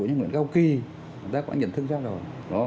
những người cao kỳ người ta cũng đã nhận thức ra rồi